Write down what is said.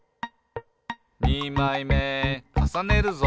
「にまいめかさねるぞ！」